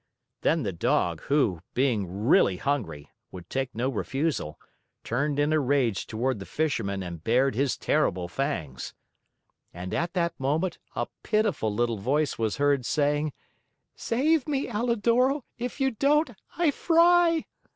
Then the Dog, who, being really hungry, would take no refusal, turned in a rage toward the Fisherman and bared his terrible fangs. And at that moment, a pitiful little voice was heard saying: "Save me, Alidoro; if you don't, I fry!"